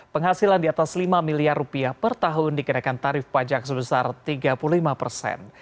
penghasilan di atas lima miliar rupiah per tahun dikenakan tarif pajak sebesar tiga puluh lima persen